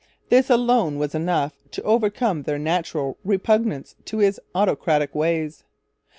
This alone was enough to overcome their natural repugnance to his autocratic ways.